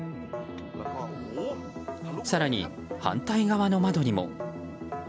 更に、反対側の窓にも。